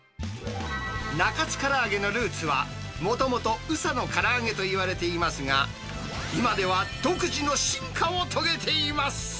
中津からあげのルーツは、もともと宇佐のから揚げといわれていますが、今では独自の進化を遂げています。